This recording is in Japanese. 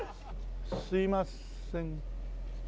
すいません。